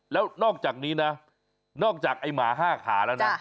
แล้วนอกจากนี้นะนอกจากไอ้หมา๕ขาแล้วนะ